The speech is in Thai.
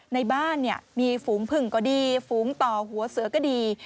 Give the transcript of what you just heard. ในบ้านเนี่ยมีฝูงผึ่งก็ดีฝูงต่อหัวเสือก็ดี